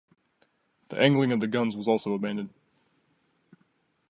The angling of the guns was also abandoned.